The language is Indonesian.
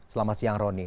selamat siang roni